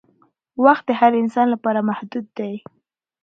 وخت د هر انسان لپاره محدود دی